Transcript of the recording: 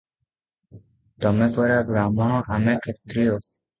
ତମେପରା ବ୍ରାହ୍ମଣ ଆମେ କ୍ଷତ୍ରିୟ ।